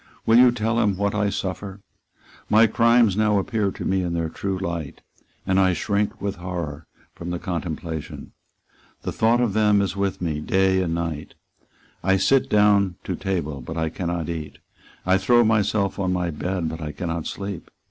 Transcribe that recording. Will you tell him what I suffer? My crimes now appear to me in their true light; and I shrink with horror from the contemplation. The thought of them is with me day and night. I sit down to table; but I cannot eat. I throw myself on my bed; but I cannot sleep.